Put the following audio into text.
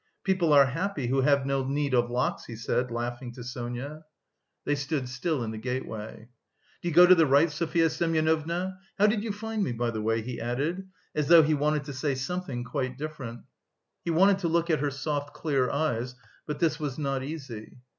People are happy who have no need of locks," he said, laughing, to Sonia. They stood still in the gateway. "Do you go to the right, Sofya Semyonovna? How did you find me, by the way?" he added, as though he wanted to say something quite different. He wanted to look at her soft clear eyes, but this was not easy.